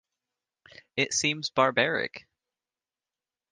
It seems barbaric.